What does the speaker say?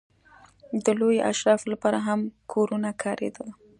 د لویو اشرافو لپاره هم کورونه کارېدل.